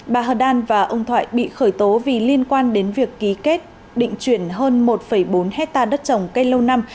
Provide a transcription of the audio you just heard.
bà hờ đan và ông thoại bị khởi tố vì liên quan đến việc ký kết định chuyển hơn một bốn hectare đất trồng cây lâu năm